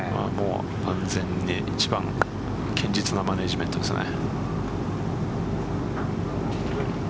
安全に１番堅実なマネジメントですよね。